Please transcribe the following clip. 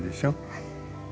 はい。